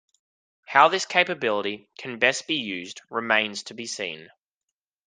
How this capability can best be used remains to be seen.